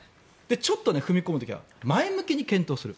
ちょっと踏み込む時は前向きに検討する。